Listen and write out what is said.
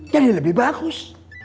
jadi lebih bagus